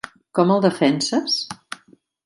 Com el defenses?